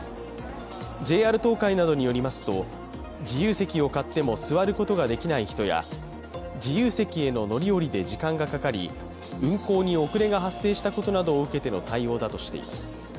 ＪＲ東海などによりますと自由席を買っても座ることができない人や自由席への乗り降りで時間がかかり運行に遅れが発生したことなどを受けての対応だということです。